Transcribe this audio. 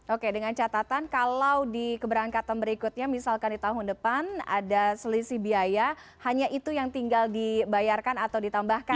oke dengan catatan kalau di keberangkatan berikutnya misalkan di tahun depan ada selisih biaya hanya itu yang tinggal dibayarkan atau ditambahkan